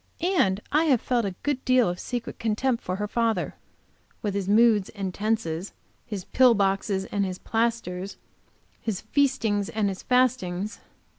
And I have felt a good deal of secret contempt for her father, with his moods and tenses, his pill boxes and his plasters, his feastings and his fastings.